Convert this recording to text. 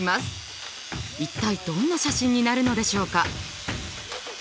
一体どんな写真になるのでしょうか？